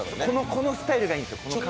このスタイルがいいんですよ。